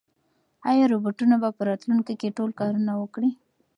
ایا روبوټونه به په راتلونکي کې ټول کارونه وکړي؟